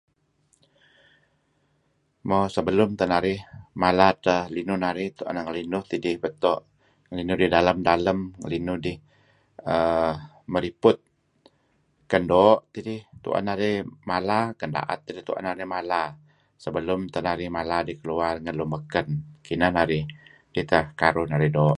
Mo, sebelum teh narih mala edteh linuh narih tu'en narih ngelinuh tidih beto'. Ngelinuh idih dalem-dalem, ngelinuh idih err meriput. Ken doo' tidih tu'en narih mala ken da'et tidih tu'en naih mala, sebelum teh narih mala idih keluar ngen lun beken. Kineh narih. Kidih teh karuh narih doo.